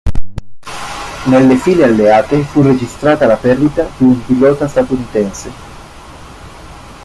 Nelle file alleate fu registrata la perdita di un pilota statunitense.